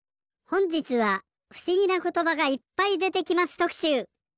ほんじつは「ふしぎなことばがいっぱい」でてきますとくしゅう。